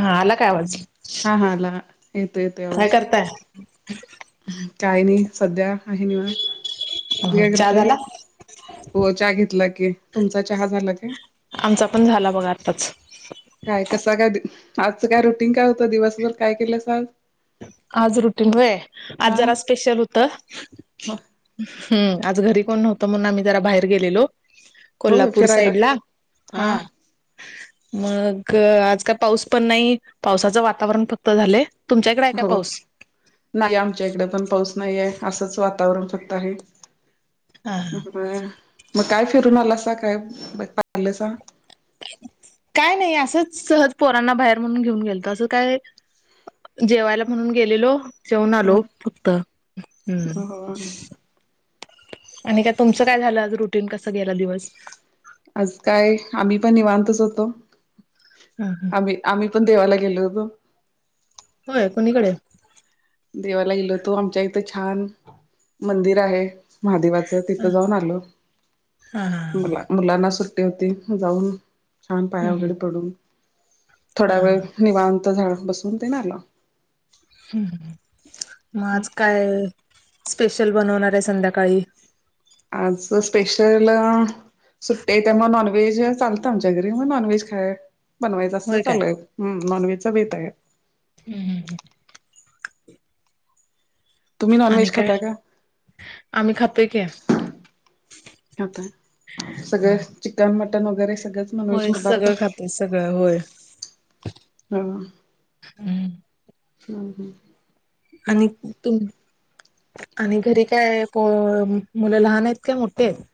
हा आला काय आवाज? आला. येतोय- येतोय. काय करताय? काय नई सध्या आहे निवांत, तुम्ही काय चहा करताय? झाला होय चहा घेतला की, तुमचा चहा झाला का? आमचा पण झाला बघा आत्ताच. काय कसं काय, आजचं काय रुटीन काय होतं दिवसभर काय केलस आज? आज रुटीगं व्हंय, आज हा जरा स्पेशल हुतं. हो हम्म. आज घरी कोण नव्हतं म्हणून आम्ही जरा बाहेर गेलेलो होय कोल्हापूर फिरायला साईड ला हा. मग आज काय पाऊस पण नाही पावसाचं वातावरण फक्त झालय तुमच्या इकडे आहे काय हो पाऊस नाई आमच्या इकडे पण पाऊस नाईये असंच वातावरण फक्त आहे. हा. होय. मग काय फिरून आलासा काय पाहिलंसा? काय नाई असंच सहज पोरांना बाहेर म्हणून घेऊन गेलतो असं काय जेवायला म्हणून गेलेलो जेवून हा आलो फक्त हम्म. हो आणि काय तुमचं काय झालं आज रुटीन कस गेलं दिवस? आज काय आम्ही पण निवांतच होतो ह आम्ही आम्ही पण देवाला गेलो होतो. होय. कुणीकड? देवाला गेलो होतो आमच्या इथं छान मंदिर आहे महादेवाचं हा तिथं जाऊन आलो हा हा हा मुला हम्म मुलांना सु ट्टी होती जाऊन छान पाया हम्म वगैरे पडून हा थोडा वेळ हा निवांत जरा बसून तेन आलो. हम्म. मग आज काय स्पेशल बनवणारे संध्याकाळी? आजच स्पेशल सुट्टीये त्यामुळं नॉनव्हेज चालतं आमच्या घरी म्हणुन नॉनव्हेज खाय बनवायचं असं होय काय चालूय नॉनव्हेजचा बेतय. हम्म - हम्म - हम्म. तुम्ही आणि नॉनव्हेज काय खाता का आम्ही खातोय की आता सगळं हम्म. चिकन मटन वगैरे सगळंच नॉनव्हेज होय. पदार्थ सगळं खातोय सगळं होय. हा हम्म हम्म. - हम्म. आणि तुम आणि घरी काय पोरं मुलं लहान आहेत काय मोठे आहेत?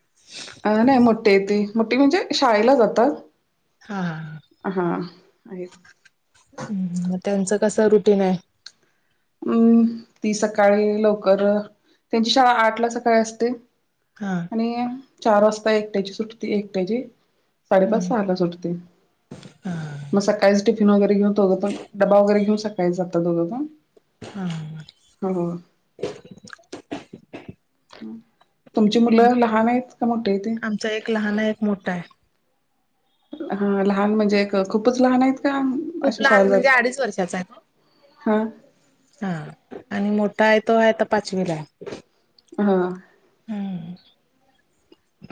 अ न्हाय मोठ ठी ती मोठी म्हणजे शाळेला जातात. हा. हा आहेत. हम्म. म त्यांचं कस रुटीनय? हम्म. ती सकाळी लवकर त्यांची शाळा आठ ला सकाळी असते. हा. आणि चार वाजता एकट्याची सुटते. एकट्याची साडेपाच हम्म. सहाला सुटते. हा मग सकाळीच टिफिन वगैरे घेऊन दोघेपण डब्बा वगैरे घेऊन सकाळी जाता दोघेपण. हा. हम्म. तुमची मुलं लहान आहेत का मोठे आहे तेे? आमचा एक लहान एक मोठा आहे. हा लहान म्हणजे खूपच लहान आहेत का? खूप अशी लहान शाळेला म्हणजे जातात? अडीच वर्षाचा आहे तो. हा हा आणि मोठा आहे तो आहे आता पाचवीला. हा. हम्.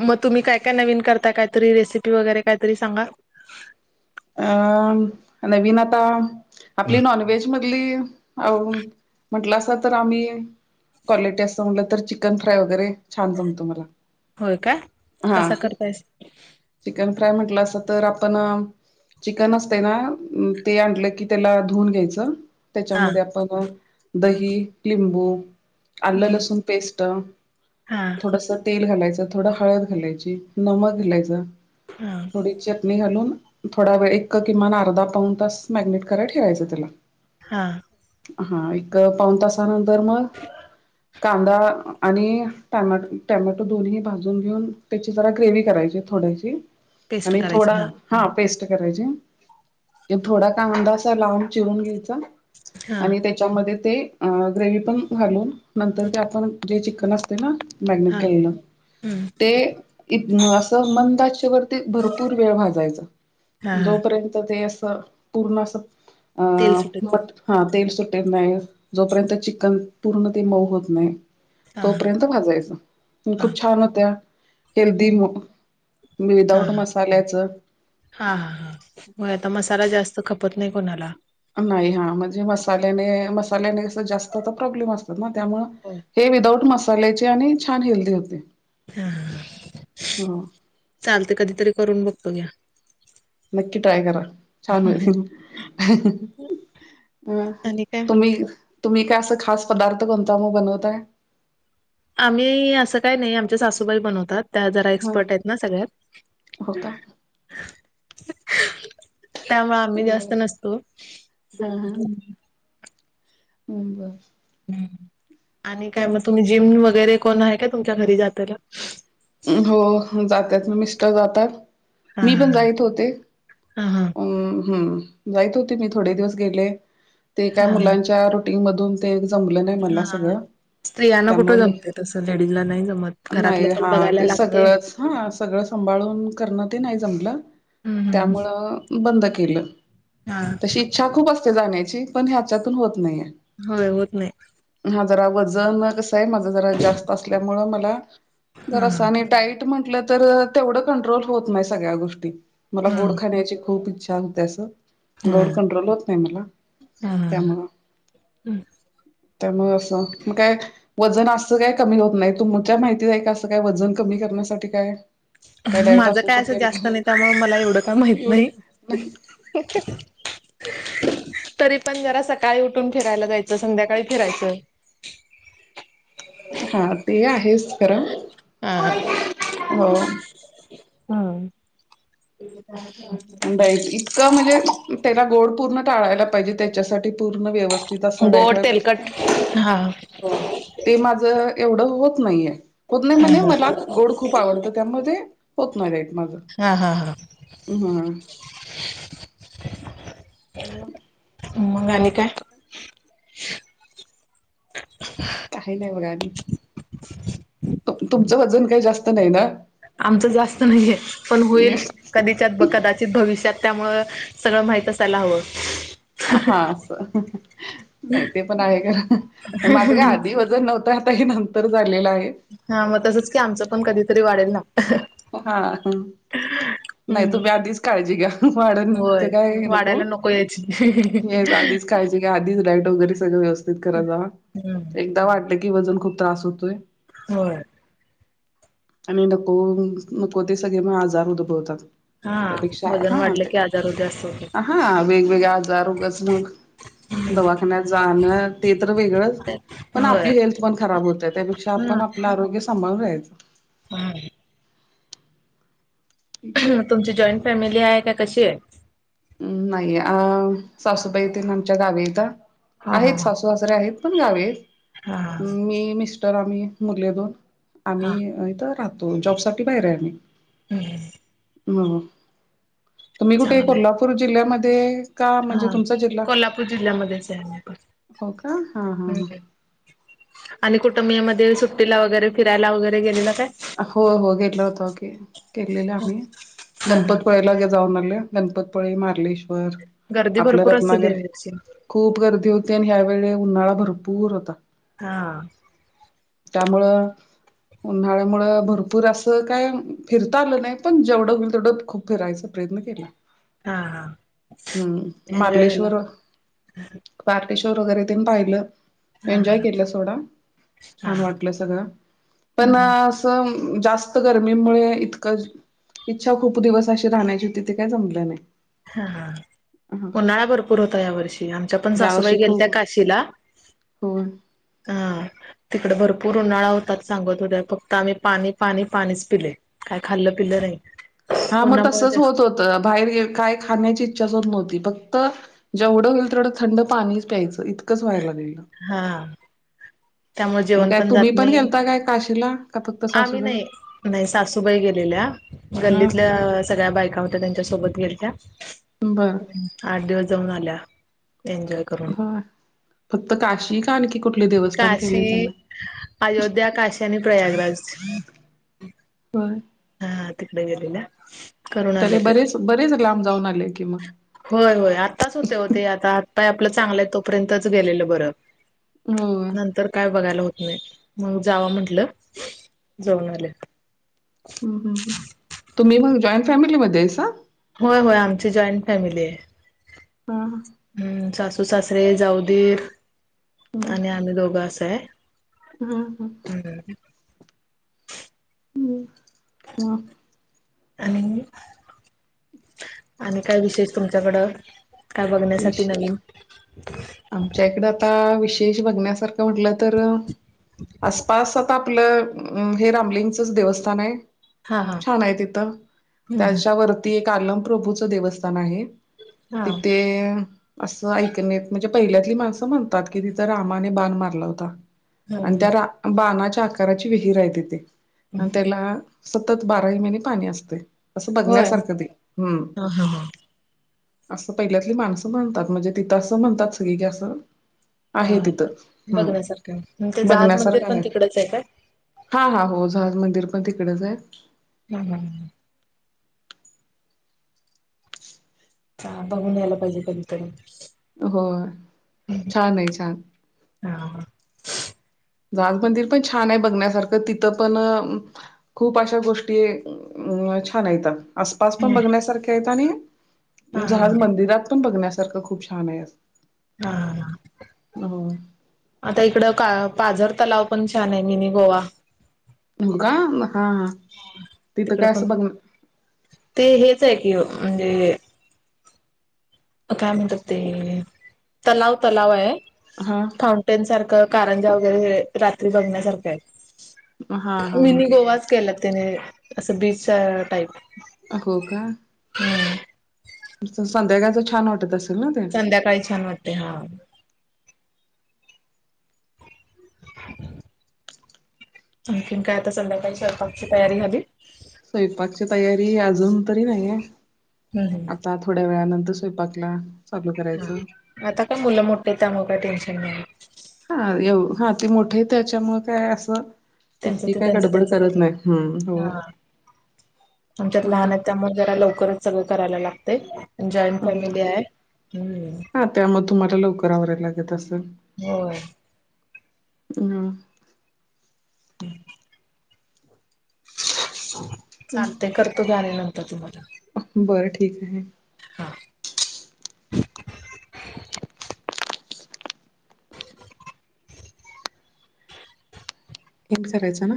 मग तुम्ही काय काय नवीन करता कायतरी रेसिपी वगैरे कायतरी सांगा? अं नविन आता आपली नॉनव्हेज मधली आवरून म्हटलं असता तर आम्ही क्वालिटी असं म्हटलं तर, चिकन फ्राय वगैरे छान जमत मला. होय का. हा कस करतायसा? चिकन फ्राय म्हटलं असंत तर आपण चिकन असते ना. ते आणलं की त्याला धुऊून घ्यायचं. हा त्याच्यामध्ये आपण दही, लिंबू, आलं हम्म लसूण पेस्ट हा थोडस तेल घालायचं. थोडं हळद घालायची. नमक घालायचं. हा थोडी चटणी घालून. थोडा वेळ एक किमान अर्धा, पाऊण तास मँरीनेट करायला ठेवायचं त्याला. हा. हा. हा एक पाऊन तासानंतर मग कांदा आणि टोमॅटो टॅमॅटो दोन्ही भाजून घेऊन, त्याची जरा ग्रेवी करायची थोड्याची. पेस्ट आणि करायची थोडा हा पेस्ट करायची. थोडा कांदा लांब चिरून घ्यायचा हा आणि त्याची त्याच्यामध्ये ते ग्रेवी पण घालून नंतर ते आपण जे चिकन असते ना. मॅरीनेट हा केलेलं. हम्म ते इ असं मंद आचेवरती भरपूर वेळ भाजायचं. हा हा जोपर्यंत ते असं पूर्ण अस अ तेल सुटत बट हा तेल सुटत नाही. जोपर्यंत चिकन पूर्ण ते मऊ होत नाही. हा हा तोपर्यंत भाजायच. हा खूप छान होत्या हेल्दी हम्म हा विदाऊट हा मसाल्याचं हा हा हा मग आता मसाला जास्त खपत नाही कोणाला. नाही हा. म्हणजे मसाल्याने मसाल्याने जास्त तर प्रॉब्लेम असतात ना त्यामूळ हो. हे विदाऊट मसाल्याचे आणि छान हेल्दी होते. हा हा ह चालते कधीतरी करून बघतो घ्या. नक्की ट्राय करा. छान होईल. अं आणि काय तुम्ही तुम्ही काय असं खास पदार्थ कोणता मग बनवताय? आम्ही असं काय नाही. आमच्या सासूबाई बनवतात. त्या जरा ह एक्सपर्ट आहेत ना सगळ्यात. हो का त्यामुळे आम्ही जास्त बर. नसतो. हम. हम बर. ह् आणि काय मग तुम्ही जिम वगैरे कोण आहे का तुमच्या घरी जातेल. हो जातात मिस्टर जातात. हा मी पण हा जाईत होते. हा हा अम्म. हम्म. जाईत होती मी थोडे दिवस गेले ते काय हा हा मुलांच्या रूटी ग मधून ते जमलं नाही हा मला हा. सगळं स्त्रियांना कुठं त्यामुळे जमते. तसं लेडीजला नाही जमत. मी घरातलं नाही पण हा बघायला ते लागतय. सगळंच हा सगळं सांभाळून करणं ते नाही जमलं हम्म हम्म त्यामुळं बंद केलं. हा तशी इच्छा खूप असते जाण्याची पण हेच्यातून होत नाहीये. होय होत नाही. हा. जरा वजन कसं आहे. माझं जरा जास्त असल्यामुळे मला हा जरासं हा डाईट म्हटलं तर, तेवढं कंट्रोल होत नाही सगळ्या गोष्टी. मला गोड हम्म खाण्याची खूप इच्छा होते अस. हा गोड कंट्रोल होत नाही मला. त्यामुळं हम्म. त्यामुळे असं, काय वजन असं काय कमी होत नाही. तुमच्या माहितीत आहे का? असं काय वजन कमी करण्यासाठी काय. काय डाईट माझं असू काय असं शकेल जास्त का नाही, त्यामुळे मला एवढं काय माहीत एवढं नाही. नाही हं. तरी पण जरा सकाळी उठून फिरायला जायचं, संध्याकाळी फिरायचं. हा, ते आहेच खरं. हा. हो. ह. [unintelligible] डाएट इतकं म्हणजे, त्याला गोड पूर्ण टाळायला पाहिजे. त्याच्यासाठी पूर्ण व्यवस्थित असं डाईट गोड व्हाय पाहिजे. तेलकट हा हो, ते माझ एवढं होत नाहीये. होत नाही हा म्हणजे मला गोड खूप आवडतं. त्यामध्ये होत नाही रेट माझं. हा.. हा.. हा. हम्म हम्म, मग आणि काय? काही बघा आणि. तुम तुमचं वजन काही जास्त नाही ना? आमचं जास्त नाहीये, पण होईल. कधीच्यात कदाचित भविष्यात, त्यामुळं सगळं माहित असायला हवं. हा अस. नाही ते पण आहे ग. माझं काय आधी व जन नव्हत, आता हे नंतर झालेलं आहे. हा मग तसंच काही, आमचं पण कधीतरी वाढेल ना. हा.. हम्. नाही हम्म तुम्ही आधीच काळजी घ्या. वाढ नं होय इतकं काय हे नको. वाढायला यायची येस आधीच काळजी घ्या आधीच, डाएट वगैरे व्यवस्थित करा जावा. हम्म एक दा वाढलं की वजन खूप त्रास होतोय. होय. आणि नको, नको ते सगळे मग आजार उद्भवतात. हा त्यापेक्षा वजन हा, वाढलं ते की आजार होते असं होते हा वेगवेगळे आजार उगच मग दवाखान्यात जाणं, ते तर वेगळंच पण होय आपली हेल्थ पण खराब होते, त्यापेक्षा आपण आपलं आरोग्य सांभाळून राहायचं. हम्म. हम् तुमची जॉईंट फॅमिली आहे का कशी आहे? म नाही. अ सासूबाई तेन आमच्या गावी आहेता. हा हा आहेत हा सासू सासरे पण गावी आहेत. हा मी, मिस्टर आम्ही मुले दोन हा आम्ही इथं राहतो. जॉब साठी बाहेर आहे आम्ही. हम. हम. तुम्ही कुठे चांगलं आहे कोल्हापूर जिल्ह्यामध्ये? का? म्हणजे हा तुमचा जिल्हा, कोल्हापूर जिल्ह्यामध्येच आहे मी पण हो का हा.. हा.. हा. हम्म आणि कुठे मे मध्ये, सुट्टीला वगैरे फिरायला वगैरे गेलेलं काय? हो.. हो. गेलो होतो की. गेलेलो आम्ही. हा हा गणपत पूळ्याला जाऊन आले. गणपतीपुळे, मारलेश्वर. गर्दी आपलं भरपूर असेल रत्नागिरी या वर्षी. खूप गर्दी होती. आणि ह्यावेळी उन्हाळा भरपूर होता. हां. त्यामुळं उन्हाळ मुळं भरपूर असं काय फिरता आलं नाय. पण जेवढं होईल तेवढं खूप फिरायचा प्रयत्न केला. हा हा हम्म, एन्जॉय झाला. मार्लेश्वर पार्टेश्वर वगैरे तेन पाहिलं हा हा एन्जॉय केलं सोडा, हा छान वाटलं सगळं पण हम्म तम जास्त गरमीमुळे इतकं इच्छा खूप दिवस अशी राहण्याची होती ते काय जमलं नाय. हा हा, उन्हाळा भरपूर होता या वर्षी ते आमच्या पण ह्या सासूबाई वर्षी गेलत्या खूप काशीला होय हा तिकड भरपूर उन्हाळा होतात. सांगत होत्या. फक्त आम्ही पाणी पाणी पाणीच पिलय. काय खाल्लं पिल्लं नाही. हा म उन्हामुळे तसच जास्त होत होत बाहेर काय खाण्याची इच्छाच होत नव्हती फक्त जेवढं होईल तेवढं थंड पाणीच प्यायचं इतकंच व्हाय लागलेलं. हा त्यामुळ जेवण पण जात नाही. आ का फक्त आम्ही सासूबाई नाही. नाही सासूबाई गेलेल्या. हा गल्लीतल्या सगळ्या बायका हो त्या त्यांच्या सोबत गेलत्या. बर आठ दिवस जाऊन आल्या एनजॉय हा फक्त काशी का आणखी कुठले देवस्थान केले काशी, त्याने अयोध्या, काशी आणि प्रयागराज [inaudible] [unintelligible] हा तिकडे गेलेल्या करून तरे आल्या ते बरेच, बरेच लांब जाऊन आले की म होय होय. आत्ताच होतय ओ ते आता हात पाय आपलं चांगलेयेत तोपर्यंतच गेलेलं बरं होय नंतर काय बघायला होत नाय म्हणून जावा म्हंटलं. जाऊन आले. हूं हूं हूं तुम्ही मग जॉईंट फॅमिलीमध्ये हायसा. होय होय. आमची जॉईंट फॅमिली ये. हां हां हूं सासु सु, सासरे जाऊ, दीर आणि आम्ही दोघं असं हाय. हा हा हूं हम्म हम्म म आणि, आणि काय विशेष तुमच्याकडं काय विष बघण्यासाठी नवीन आमच्या इकड आता विशेष बघण्यासारखं म्हटलं तर आसपास आता आपलं हे रामलिंगचंच देवस्थान हाय. हा हा छान आय. तिथं हम्म त्याच्यावरती एक आलम प्रभूचं देवस्थान आहे. हा तिथे असं ऐकणे म्हणजे पहिल्यातली माणसं म्हणतात की, तिथं रामाने बाण मारला होता आणि त्या रा बाणाच्या आकाराची विहीर आहे तिथे अ त्याला सतत बारा ही महिने पाणी असतोय. असं होय बघण्यासारखं ते हम्म हा हा हा असं पहिल्यातली माणसं म्हणतात. म्हणजे तिथं असं म्हणतात [unintelligible] ये असं आहे हा तिथं हम्म, बघण्यासारखं ते जहाज मंदिर बघण्यासारखं पण आहे. तिकडच काय हा हा हो जहाज मंदिर पण तिकडच ये. हं हम्म हा बघून यायला पाहिजे कधीतरी होय, छान ये छान. हा. जहाज मंदिर पण छान आहे, बघण्यासारखं तिथं पण अ खूप अशा गोष्टीये अ छान हायत. आसपास पण हा बघण्यासारखे आहेत आणि हा जहाज हा मंदिरात पण बघण्यासारखं खूप छान आहे अस. हा. आता इकड का पाझर तलाव पण छान आहे, मिनी गोवा. हो का, हा तिथं तिकड काय पण असं बघ ना ते हेच आहे की ओ म्हणजे अ काय म्हणतात ते तलाव तलाव ये. हां. माउंटेन सारख कारंजा वगैरे रात्री बघण्यासारखे ये, हा हा मिनी हा गोवाच. केल्यात त्यांनी अ असं बीचं टाईप हो का. हम्म. तिथं संध्याकाळचं छान वाटत अस संध्याकाळी छान वाटते, हां. [inaudible] आणखीन काय आता संध्याकाळी स्वयपाकची तयारी झाली? स्वयपाक ची तयारी अजून तरी नाहीये, हम्म आता थोड्या वेळानंतर स्वयपाकला आता काय मुलं मोठीत, त्यामुळं काय टेन्शन नाही. हा येऊ हा ते मोठी त्याच्यामुळ काय असं त्यांचं तितकी ते काय त्यांचं गडबड त्यांचं करत नाही, करतात हम्म हो. हा आमच्यात आता लहान आहेत त्यामुळे जरा लवकरच सगळं करायला लागतंय जॉईंट फॅमिली आहे, हम्म. त्यामुळ तुम्हाला लवकर आवरायला लागत असलं. होय. हा. [inaudible] चालतंय करतो घ्या, आणि नंतर तुम्हाला बरं ठीक आहे. हा. [inaudible] हेचं करायचं ना.